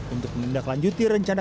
untuk mengendaklanjuti rencana